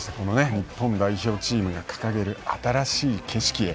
日本代表チームが掲げる新しい景色へ。